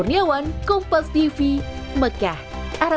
beribadah pun kian tenang sehat dan berharga